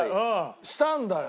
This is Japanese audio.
したんだよ。